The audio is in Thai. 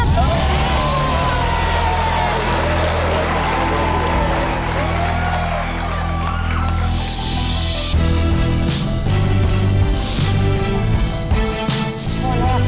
ผู้ครับ